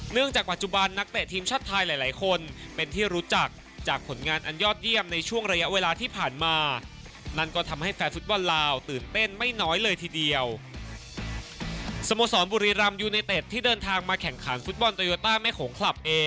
เนื่องจากปัจจุบันนักเตะทีมชาติไทยหลายหลายคนเป็นที่รู้จักจากผลงานอันยอดเยี่ยมในช่วงระยะเวลาที่ผ่านมา